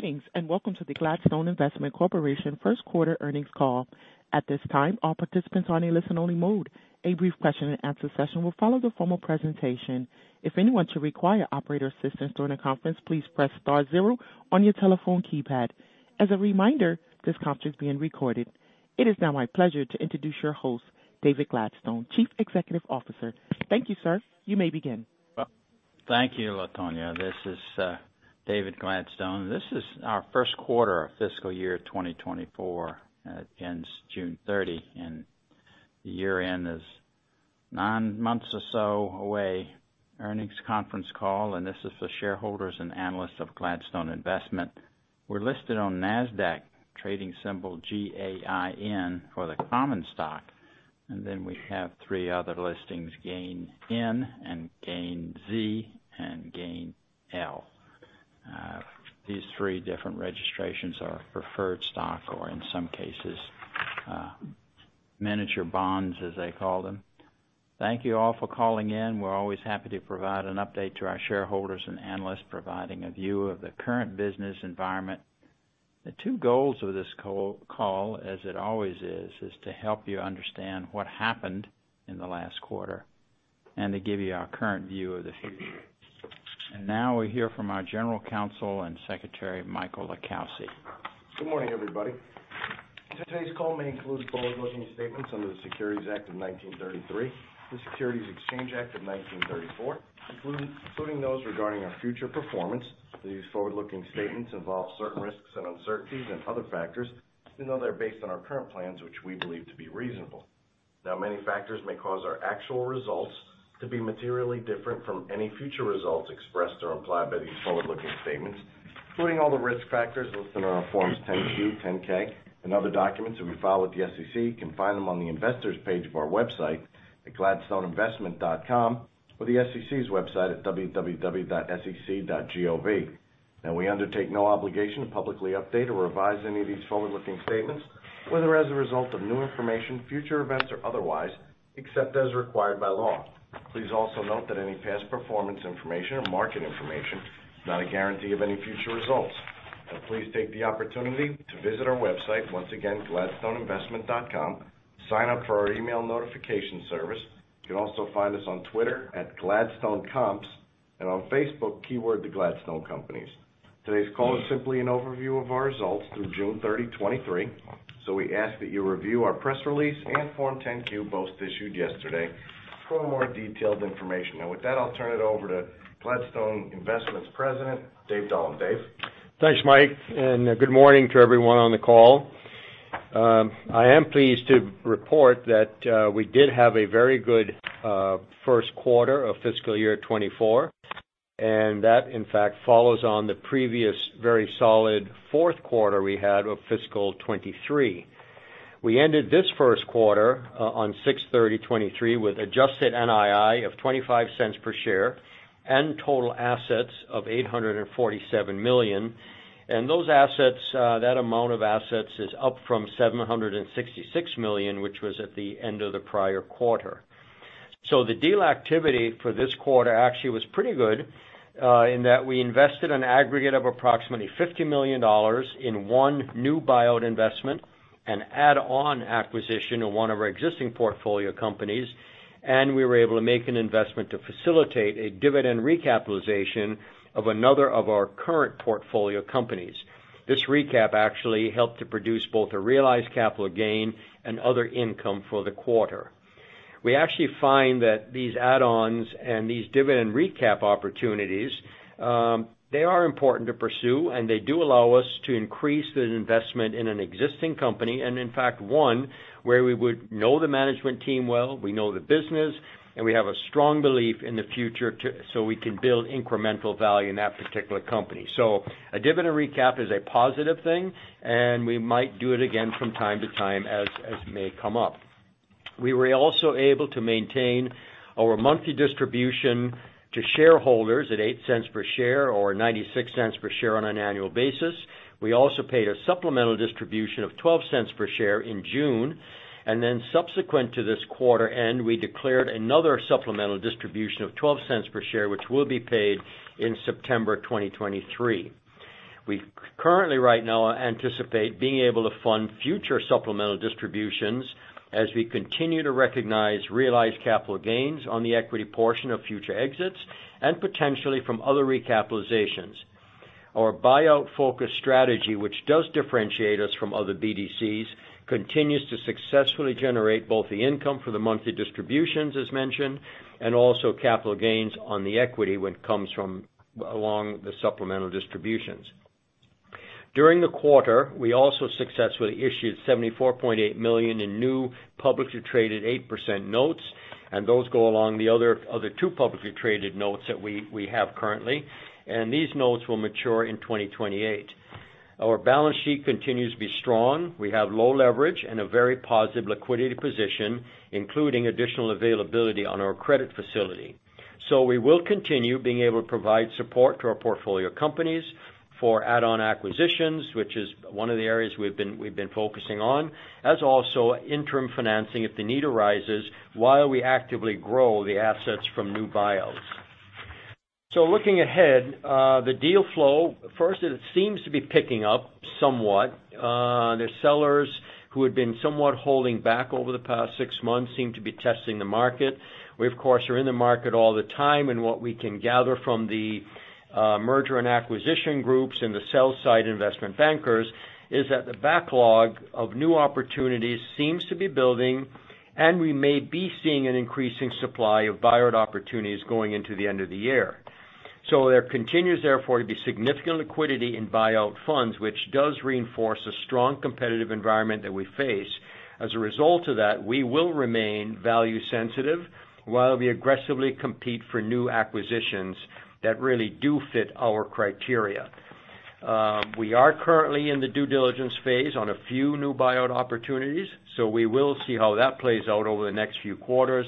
Greetings, and welcome to the Gladstone Investment Corporation First Quarter Earnings Call. At this time, all participants are in a listen-only mode. A brief question-and-answer session will follow the formal presentation. If anyone should require operator assistance during the conference, please press star zero on your telephone keypad. As a reminder, this conference is being recorded. It is now my pleasure to introduce your host, David Gladstone, Chief Executive Officer. Thank you, sir. You may begin. Thank you, Latoya. This is David Gladstone. This is our first quarter of fiscal year 2024. It ends June 30, and the year-end is nine months or so away. Earnings conference call. This is the shareholders and analysts of Gladstone Investment. We're listed on NASDAQ, trading symbol GAIN, for the common stock. Then we have three other listings, GAINN and GAINZ and GAINL. These three different registrations are preferred stock or in some cases, miniature bonds, as they call them. Thank you all for calling in. We're always happy to provide an update to our shareholders and analysts, providing a view of the current business environment. The two goals of this call, as it always is, is to help you understand what happened in the last quarter and to give you our current view of the future. Now we hear from our General Counsel and Secretary, Michael LiCalsi. Good morning, everybody. Today's call may include forward-looking statements under the Securities Act of 1933, the Securities Exchange Act of 1934, including, including those regarding our future performance. These forward-looking statements involve certain risks and uncertainties and other factors, even though they're based on our current plans, which we believe to be reasonable. Many factors may cause our actual results to be materially different from any future results expressed or implied by these forward-looking statements, including all the risk factors listed on our Forms 10-Q, 10-K and other documents that we file with the SEC. You can find them on the Investors page of our website at gladstoneinvestment.com or the SEC's website at www.sec.gov. We undertake no obligation to publicly update or revise any of these forward-looking statements, whether as a result of new information, future events, or otherwise, except as required by law. Please also note that any past performance information or market information is not a guarantee of any future results. Please take the opportunity to visit our website, once again, gladstoneinvestment.com. Sign up for our email notification service. You can also find us on Twitter at GladstoneComps and on Facebook, keyword The Gladstone Companies. Today's call is simply an overview of our results through June 30, 2023, we ask that you review our press release and Form 10-Q, both issued yesterday, for more detailed information. Now, with that, I'll turn it over to Gladstone Investment's President, Dave Dullum. Dave? Thanks, Mike, good morning to everyone on the call. I am pleased to report that we did have a very good first quarter of fiscal year 2024, and that, in fact, follows on the previous very solid fourth quarter we had of fiscal 2023. We ended this first quarter on 06/30/2023, with adjusted NII of $0.25 per share and total assets of $847 million. Those assets, that amount of assets is up from $766 million, which was at the end of the prior quarter. The deal activity for this quarter actually was pretty good, in that we invested an aggregate of approximately $50 million in one new buyout investment and add-on acquisition in one of our existing portfolio companies, and we were able to make an investment to facilitate a dividend recapitalization of another of our current portfolio companies. This recap actually helped to produce both a realized capital gain and other income for the quarter. We actually find that these add-ons and these dividend recap opportunities, they are important to pursue, and they do allow us to increase the investment in an existing company, and in fact, one where we would know the management team well, we know the business, and we have a strong belief in the future to, so we can build incremental value in that particular company. A dividend recap is a positive thing, and we might do it again from time to time as, as may come up. We were also able to maintain our monthly distribution to shareholders at $0.08 per share or $0.96 per share on an annual basis. We also paid a supplemental distribution of $0.12 per share in June, and then subsequent to this quarter end, we declared another supplemental distribution of $0.12 per share, which will be paid in September 2023. We currently, right now, anticipate being able to fund future supplemental distributions as we continue to recognize realized capital gains on the equity portion of future exits and potentially from other recapitalizations. Our buyout-focused strategy, which does differentiate us from other BDCs, continues to successfully generate both the income for the monthly distributions, as mentioned, and also capital gains on the equity when it comes from along the supplemental distributions. During the quarter, we also successfully issued $74.8 million in new publicly traded 8% notes, and those go along the other, other two publicly traded notes that we, we have currently, and these notes will mature in 2028. Our balance sheet continues to be strong. We have low leverage and a very positive liquidity position, including additional availability on our credit facility. We will continue being able to provide support to our portfolio companies for add-on acquisitions, which is one of the areas we've been, we've been focusing on, as also interim financing, if the need arises, while we actively grow the assets from new buyouts. Looking ahead, the deal flow, first, it seems to be picking up somewhat. The sellers who had been somewhat holding back over the past six months seem to be testing the market. We, of course, are in the market all the time, and what we can gather from the merger and acquisition groups and the sell-side investment bankers, is that the backlog of new opportunities seems to be building, and we may be seeing an increasing supply of buyout opportunities going into the end of the year. There continues, therefore, to be significant liquidity in buyout funds, which does reinforce a strong competitive environment that we face. As a result of that, we will remain value sensitive, while we aggressively compete for new acquisitions that really do fit our criteria. We are currently in the due diligence phase on a few new buyout opportunities, so we will see how that plays out over the next few quarters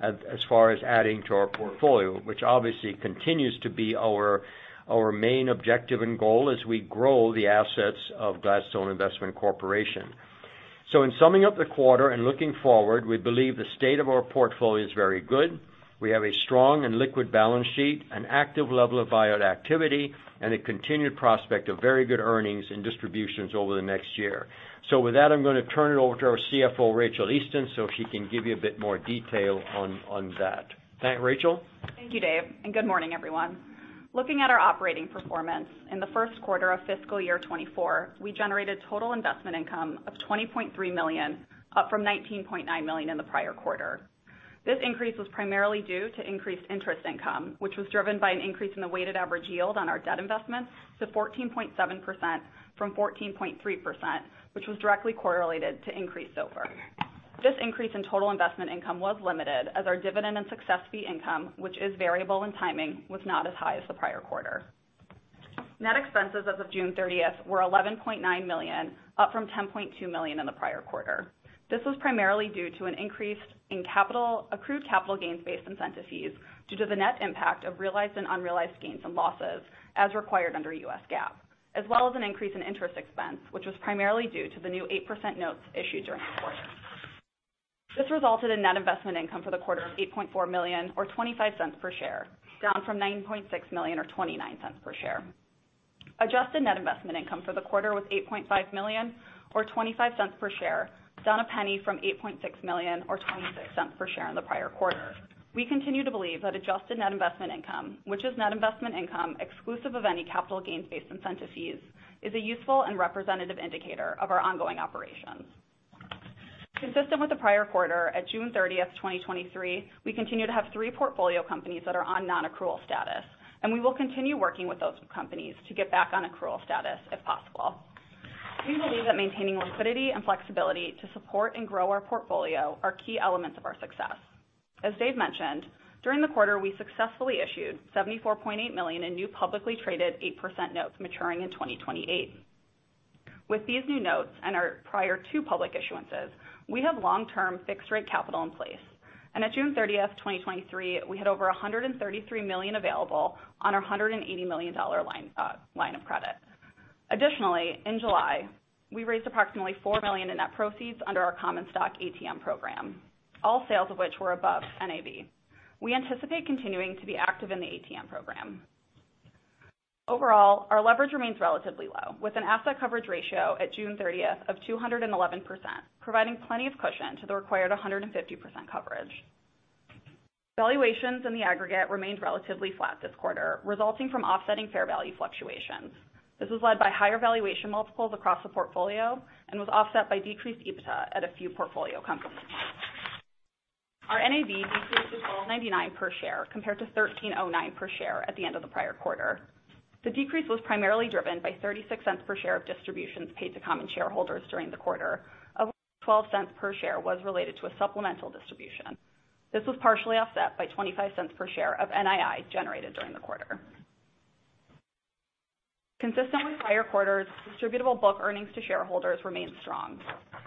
as, as far as adding to our portfolio, which obviously continues to be our, our main objective and goal as we grow the assets of Gladstone Investment Corporation. In summing up the quarter and looking forward, we believe the state of our portfolio is very good. We have a strong and liquid balance sheet, an active level of buyout activity, and a continued prospect of very good earnings and distributions over the next year. With that, I'm going to turn it over to our CFO, Rachael Easton, so she can give you a bit more detail on, on that. Thank you, Rachael. Thank you, Dave. Good morning, everyone. Looking at our operating performance in the first quarter of fiscal year 2024, we generated total investment income of $20.3 million, up from $19.9 million in the prior quarter. This increase was primarily due to increased interest income, which was driven by an increase in the weighted average yield on our debt investments to 14.7% from 14.3%, which was directly correlated to increased SOFR. This increase in total investment income was limited, as our dividend and success fee income, which is variable in timing, was not as high as the prior quarter. Net expenses as of June 30th were $11.9 million, up from $10.2 million in the prior quarter. This was primarily due to an increase in accrued capital gains-based incentive fees due to the net impact of realized and unrealized gains and losses as required under U.S. GAAP, as well as an increase in interest expense, which was primarily due to the new 8% notes issued during the quarter. This resulted in net investment income for the quarter of $8.4 million or $0.25 per share, down from $9.6 million or $0.29 per share. Adjusted net investment income for the quarter was $8.5 million or $0.25 per share, down $0.01 from $8.6 million or $0.26 per share in the prior quarter. We continue to believe that adjusted net investment income, which is net investment income, exclusive of any capital gains-based incentive fees, is a useful and representative indicator of our ongoing operations. Consistent with the prior quarter, at June 30, 2023, we continue to have three portfolio companies that are on non-accrual status. We will continue working with those companies to get back on accrual status, if possible. We believe that maintaining liquidity and flexibility to support and grow our portfolio are key elements of our success. As Dave mentioned, during the quarter, we successfully issued $74.8 million in new publicly traded 8% notes maturing in 2028. With these new notes and our prior two public issuances, we have long-term fixed rate capital in place. At June 30, 2023, we had over $133 million available on our $180 million line of credit. Additionally, in July, we raised approximately $4 million in net proceeds under our common stock ATM program, all sales of which were above NAV. We anticipate continuing to be active in the ATM program. Overall, our leverage remains relatively low, with an asset coverage ratio at June 30th of 211%, providing plenty of cushion to the required 150% coverage. Valuations in the aggregate remained relatively flat this quarter, resulting from offsetting fair value fluctuations. This was led by higher valuation multiples across the portfolio and was offset by decreased EBITDA at a few portfolio companies. Our NAV decreased to $12.99 per share, compared to $13.09 per share at the end of the prior quarter. The decrease was primarily driven by $0.36 per share of distributions paid to common shareholders during the quarter, of which $0.12 per share was related to a supplemental distribution. This was partially offset by $0.25 per share of NII generated during the quarter. Consistent with prior quarters, distributable book earnings to shareholders remained strong.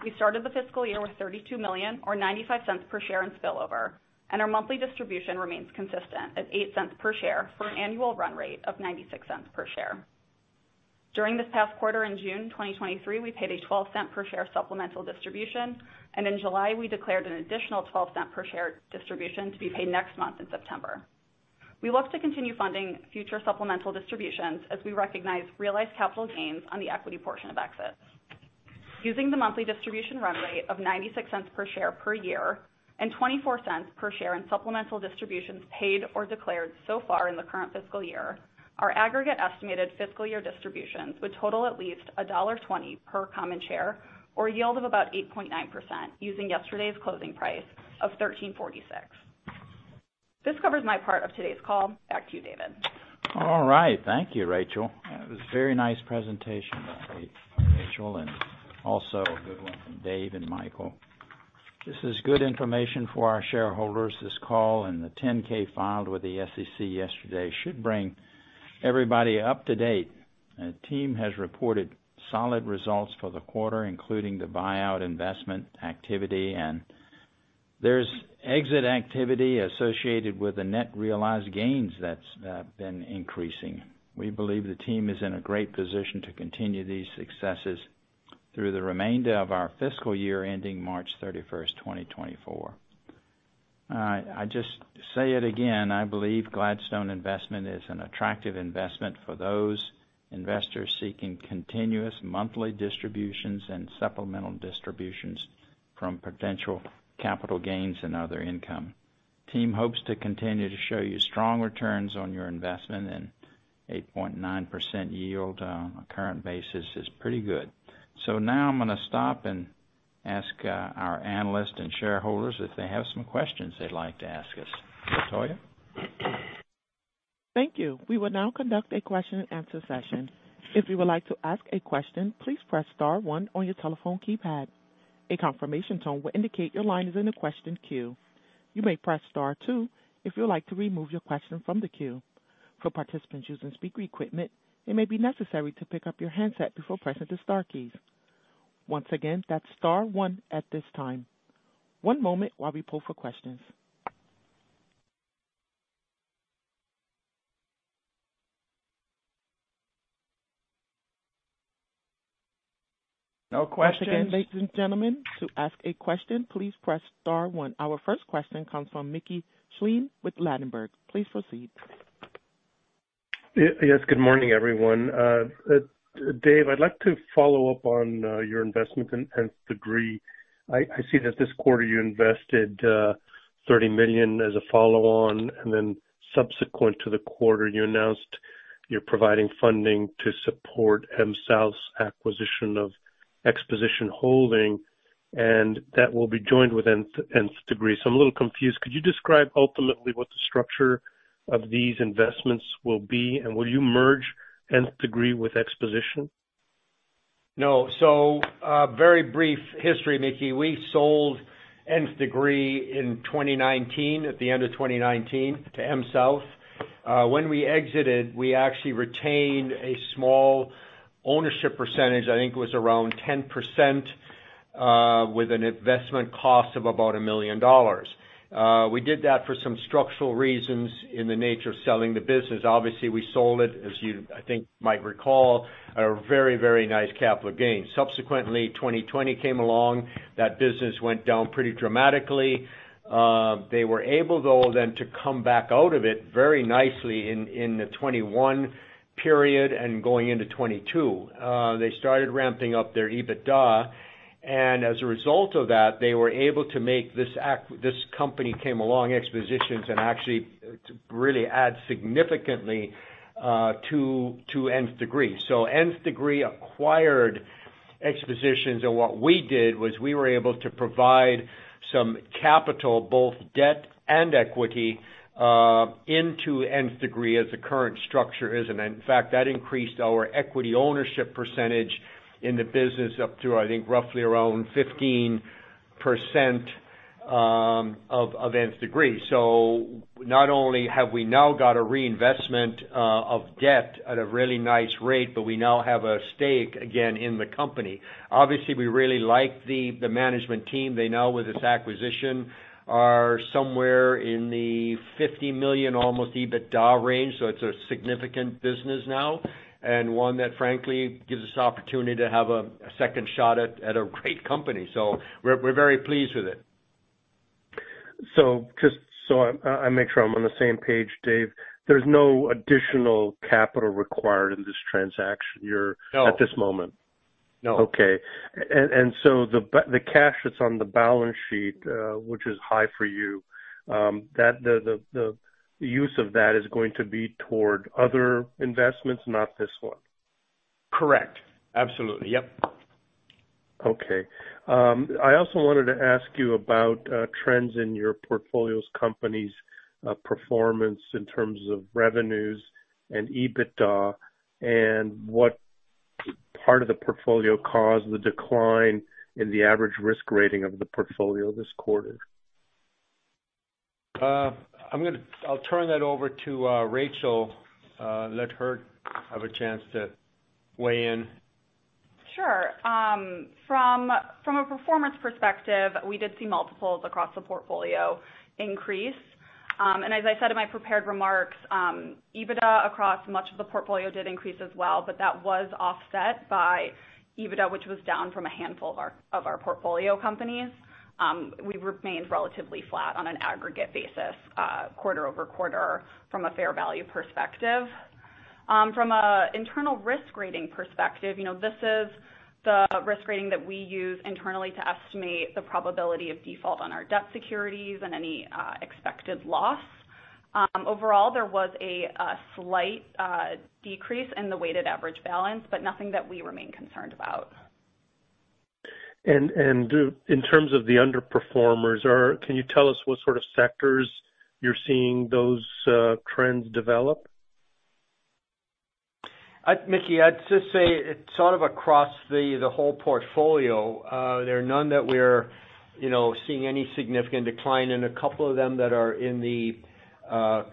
We started the fiscal year with $32 million or $0.95 per share in spillover, and our monthly distribution remains consistent at $0.08 per share for an annual run rate of $0.96 per share. During this past quarter, in June 2023, we paid a $0.12 per share supplemental distribution, and in July, we declared an additional $0.12 per share distribution to be paid next month in September. We look to continue funding future supplemental distributions as we recognize realized capital gains on the equity portion of exits. Using the monthly distribution run rate of $0.96 per share per year and $0.24 per share in supplemental distributions paid or declared so far in the current fiscal year, our aggregate estimated fiscal year distributions would total at least $1.20 per common share, or a yield of about 8.9%, using yesterday's closing price of $13.46. This covers my part of today's call. Back to you, David. All right. Thank you, Rachael. That was a very nice presentation by Rachael, and also a good one from Dave and Michael. This is good information for our shareholders. This call and the 10-K filed with the SEC yesterday should bring everybody up to date. The team has reported solid results for the quarter, including the buyout investment activity, and there's exit activity associated with the net realized gains that's been increasing. We believe the team is in a great position to continue these successes through the remainder of our fiscal year, ending March 31st, 2024. I just say it again, I believe Gladstone Investment is an attractive investment for those investors seeking continuous monthly distributions and supplemental distributions from potential capital gains and other income. Team hopes to continue to show you strong returns on your investment, 8.9% yield on a current basis is pretty good. Now I'm gonna stop and ask our analysts and shareholders if they have some questions they'd like to ask us. Latoya? Thank you. We will now conduct a question and answer session. If you would like to ask a question, please press star one on your telephone keypad. A confirmation tone will indicate your line is in the question queue. You may press star two if you'd like to remove your question from the queue. For participants using speaker equipment, it may be necessary to pick up your handset before pressing the star keys. Once again, that's star one at this time. One moment while we pull for questions. No questions? Again, ladies and gentlemen, to ask a question, please press star 1. Our first question comes from Mickey Schleien with Ladenburg. Please proceed. Yes, good morning, everyone. Dave, I'd like to follow up on your investment in Nth Degree. I see that this quarter you invested $30 million as a follow-on, and then subsequent to the quarter, you announced you're providing funding to support MSouth's acquisition of Exposition Holdings, and that will be joined with Nth Degree. I'm a little confused. Could you describe ultimately what the structure of these investments will be? Will you merge Nth Degree with Exposition? Very brief history, Mickey. We sold Nth Degree in 2019, at the end of 2019, to MSouth. When we exited, we actually retained a small ownership percentage, I think it was around 10%, with an investment cost of about $1 million. We did that for some structural reasons in the nature of selling the business. Obviously, we sold it, as you, I think, might recall, at a very, very nice capital gain. Subsequently, 2020 came along. That business went down pretty dramatically. They were able, though, then to come back out of it very nicely in, in the 2021 period and going into 2022. They started ramping up their EBITDA. As a result of that, they were able to make this company came along, Exposition, and actually to really add significantly to Nth Degree. Nth Degree acquired Exposition, and what we did was we were able to provide some capital, both debt and equity, into Nth Degree as the current structure is. In fact, that increased our equity ownership percentage in the business up to, I think, roughly around 15% of Nth Degree. Not only have we now got a reinvestment of debt at a really nice rate, but we now have a stake again in the company. Obviously, we really like the management team. They now, with this acquisition, are somewhere in the $50 million, almost, EBITDA range, so it's a significant business now, and one that frankly gives us the opportunity to have a, a second shot at, at a great company. We're, we're very pleased with it. just so I make sure I'm on the same page, Dave, there's no additional capital required in this transaction? No. at this moment? No. Okay. The cash that's on the balance sheet, which is high for you, that the use of that is going to be toward other investments, not this one? Correct. Absolutely. Yep. Okay. I also wanted to ask you about trends in your portfolio's company's performance in terms of revenues and EBITDA, and what part of the portfolio caused the decline in the average risk rating of the portfolio this quarter? I'll turn that over to Rachael, let her have a chance to weigh in. Sure. From, from a performance perspective, we did see multiples across the portfolio increase. And as I said in my prepared remarks, EBITDA across much of the portfolio did increase as well, but that was offset by EBITDA, which was down from a handful of our, of our portfolio companies. We've remained relatively flat on an aggregate basis, quarter-over-quarter from a fair value perspective. From a internal risk rating perspective, you know, this is the risk rating that we use internally to estimate the probability of default on our debt securities and any expected loss. Overall, there was a slight decrease in the weighted average balance, but nothing that we remain concerned about. In terms of the underperformers, can you tell us what sort of sectors you're seeing those trends develop? Mickey, I'd just say it's sort of across the, the whole portfolio. There are none that we're, you know, seeing any significant decline. In a couple of them that are in the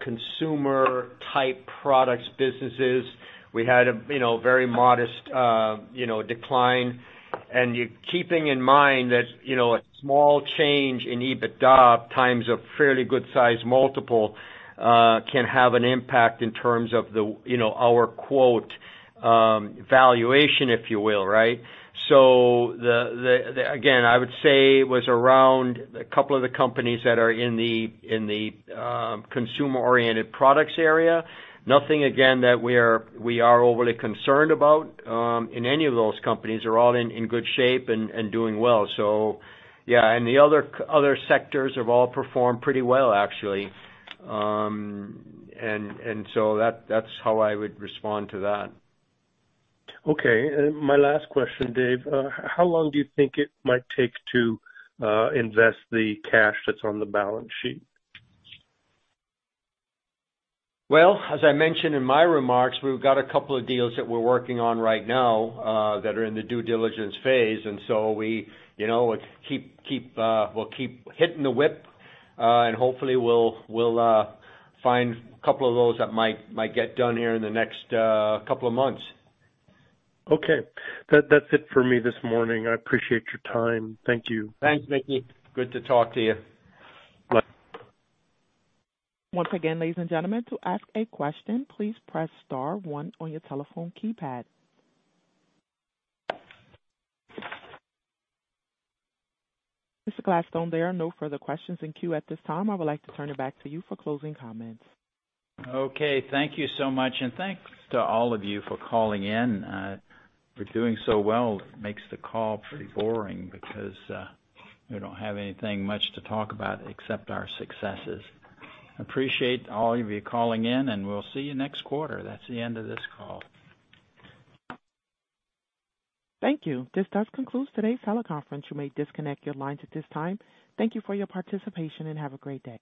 consumer-type products businesses, we had a, you know, very modest, you know, decline. Keeping in mind that, you know, a small change in EBITDA times a fairly good size multiple can have an impact in terms of the, you know, our quote valuation, if you will, right? The, the, again, I would say it was around a couple of the companies that are in the, in the consumer-oriented products area. Nothing again, that we are, we are overly concerned about in any of those companies. They're all in, in good shape and, and doing well. Yeah, the other, other sectors have all performed pretty well, actually. That's how I would respond to that. Okay. My last question, Dave. How long do you think it might take to invest the cash that's on the balance sheet? Well, as I mentioned in my remarks, we've got a couple of deals that we're working on right now, that are in the due diligence phase, and so we, you know, we'll keep hitting the whip, and hopefully we'll find a couple of those that might, might get done here in the next, couple of months. Okay. That, that's it for me this morning. I appreciate your time. Thank you. Thanks, Mickey. Good to talk to you. Bye. Once again, ladies and gentlemen, to ask a question, please press star one on your telephone keypad. Mr. Gladstone, there are no further questions in queue at this time. I would like to turn it back to you for closing comments. Okay, thank you so much. Thanks to all of you for calling in. For doing so well, it makes the call pretty boring because we don't have anything much to talk about except our successes. Appreciate all of you calling in. We'll see you next quarter. That's the end of this call. Thank you. This does conclude today's teleconference. You may disconnect your lines at this time. Thank you for your participation, and have a great day.